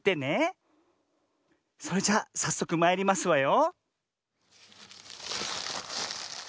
それじゃさっそくまいりますわよ。